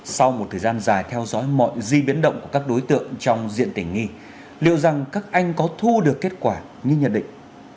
sau một thời gian dài theo dõi mọi di biến động của các đối tượng trong diện tỉnh nghi liệu rằng các anh có thu được kết quả như nhận định